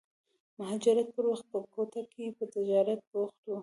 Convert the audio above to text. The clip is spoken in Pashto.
د مهاجرت پر وخت په کوټه کې په تجارت بوخت و.